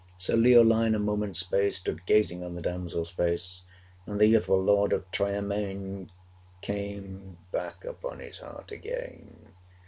Sir Leoline, a moment's space, Stood gazing on the damsel's face: And the youthful Lord of Tryermaine Came back upon his heart again.